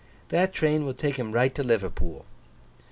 That train will take him right to Liverpool.